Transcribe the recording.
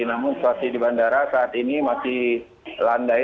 namun situasi di bandara saat ini masih landai